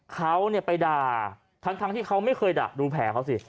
เขาไปด่าทั้งที่เขาไม่เคยด่า